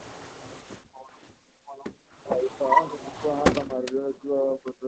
hailifahamu ni kuwa hapa Marondera ujio wake unatosha